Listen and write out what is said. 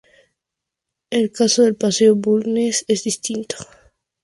El caso del Paseo Bulnes es distinto.